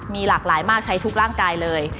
มีหลากหลายมากใช้ทุกร่างกายเลย